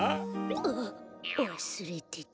あっわすれてた。